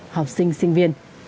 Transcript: học sinh sinh viên